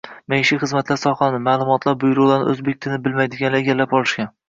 Maishiy xizmat sohalarini, ma’lumot byurolarini o‘zbek tilini bilmaydiganlar egallab olishgan